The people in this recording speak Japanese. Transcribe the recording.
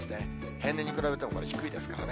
平年に比べても、これ低いですからね。